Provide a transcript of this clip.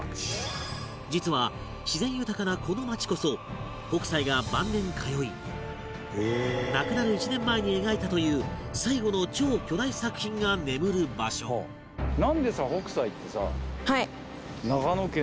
実は自然豊かなこの町こそ北斎が晩年通い亡くなる１年前に描いたという最期の超巨大作品が眠る場所なんでさ北斎ってさ